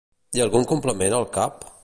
I algun complement al cap?